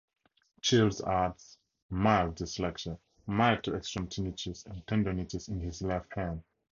Shields has mild dyslexia, "mild to extreme" tinnitus, and tendonitis in his left hand.